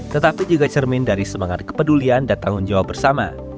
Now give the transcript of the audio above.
tetapi juga cermin dari semangat kepedulian dan tanggung jawab bersama